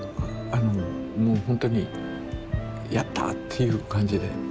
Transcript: もう本当に「やった！」っていう感じで。